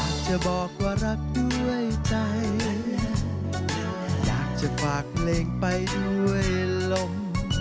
จะบอกว่ารักด้วยใจอยากจะฝากเพลงไปด้วยลม